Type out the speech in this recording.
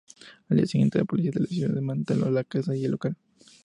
Al día siguiente, la policía de la ciudad desmanteló la casa y el local.